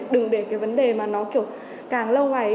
đừng để cái vấn đề mà nó kiểu càng lâu ngày